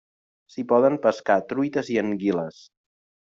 S'hi poden pescar truites i anguiles.